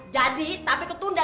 jadi tapi ketunda